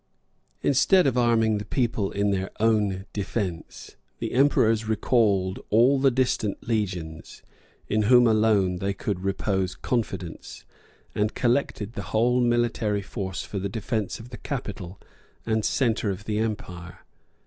Instead of arming the people in their own defence, the emperors recalled all the distant legions, in whom alone they could repose confidence; and collected the whole military force for the defence of the capital and centre of the empire.